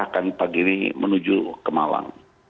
akan pagi ini menuju kemalang